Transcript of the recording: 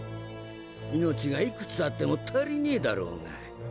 命が幾つあっても足りねぇだろが！